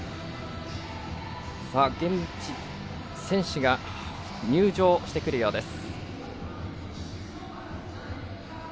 選手が入場してくるようです。